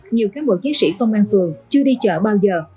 nhiều cán bộ chiến sĩ công an phường chưa đi chợ bao giờ